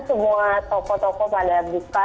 semua toko toko pada buka